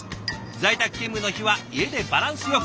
在宅勤務の日は家でバランスよく。